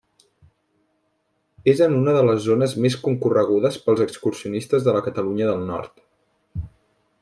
És en una de les zones més concorregudes pels excursionistes de la Catalunya del Nord.